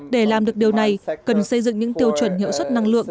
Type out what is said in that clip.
để làm được điều này cần xây dựng những tiêu chuẩn hiệu suất năng lượng